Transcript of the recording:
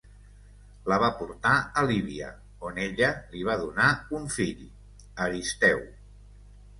La va portar a Líbia, on ella li va donar un fill, Aristeu.